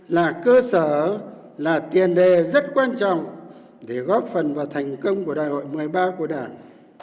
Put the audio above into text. là cơ sở là tiền đề rất quan trọng để góp phần vào thành công của đại hội một mươi ba của đảng